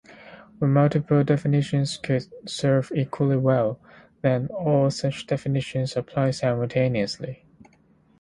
When multiple definitions could serve equally well, then all such definitions apply simultaneously.